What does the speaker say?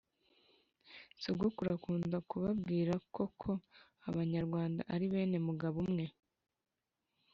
sogokuru akunda kubabwira ko ko abanyarwanda ari bene mugabo umwe.